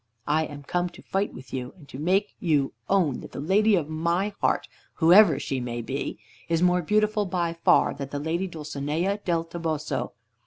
I am come to fight with you and to make you own that the Lady of my Heart, whoever she may be, is more beautiful by far than the Lady Dulcinea del Toboso.